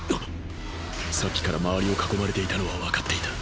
さっきから周りを囲まれていたのはわかっていた。